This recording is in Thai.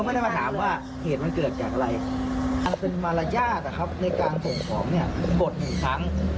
มาเขียนนะ